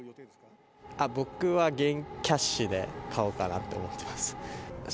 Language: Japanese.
僕はキャッシュで買おうかなと思ってます。